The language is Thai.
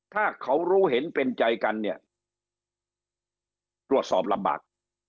ถ้าเขารู้เห็นเป็นใจกันเนี่ยตรวจสอบลำบาก